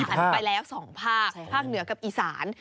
หันไปแล้ว๒ภาคภาคเหนือกับอีสาน